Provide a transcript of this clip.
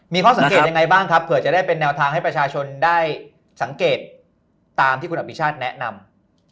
มีข้อสังเกตยังไงบ้างครับเผื่อจะได้เป็นแนวทางให้ประชาชนได้สังเกตตามที่คุณอภิชาติแนะนำ